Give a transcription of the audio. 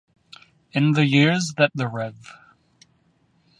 In the years that the Rev.